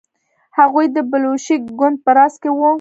هغوی د بلشویک ګوند په راس کې وو.